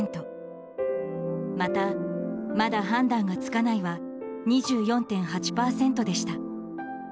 また、まだ判断がつかないは２４．８％でした。